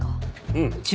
うん。